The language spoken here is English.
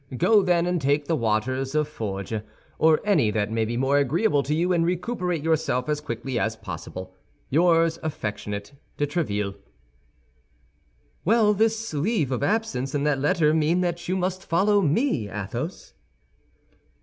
Go, then, and take the waters of Forges, or any that may be more agreeable to you, and recuperate yourself as quickly as possible. Yours affectionate, DE TRÉVILLE "Well, this leave of absence and that letter mean that you must follow me, Athos."